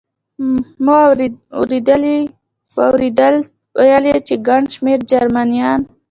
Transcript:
مو واورېدل، ویل یې چې ګڼ شمېر جرمنیان.